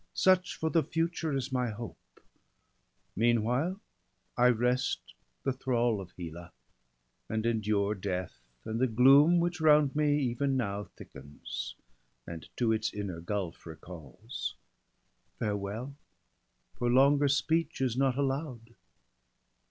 Such for the future is my hope; meanwhile, 1 rest the thrall of Hela, and endure Death, and the gloom which round me even now Thickens, and to its inner gulph recalls. Farewell ! for longer speech is not allow'd.'